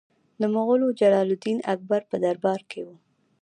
د مغول جلال الدین اکبر په دربار کې و.